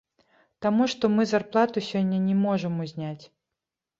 Таму што мы зарплату сёння не можам узняць.